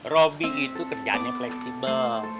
robby itu kerjaannya fleksibel